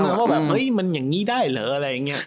ว่าแบบเฮ้ยมันอย่างนี้ได้เหรออะไรอย่างนี้